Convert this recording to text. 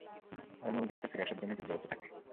তারা মূল ঘাঁটিতে ফিরে আসার জন্য যুদ্ধ করতে থাকে।